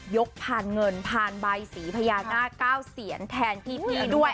ยกผ่านเงินผ่านใบศรีภญาหน้า๙เหรียญแทนพีทีด้วย